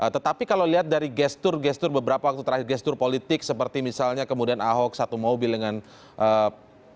tetapi kalau lihat dari gestur gestur beberapa waktu terakhir gestur politik seperti misalnya kemudian ahok satu mobil dengan ee